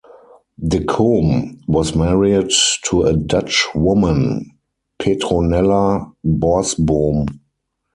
De Kom was married to a Dutch woman, Petronella Borsboom.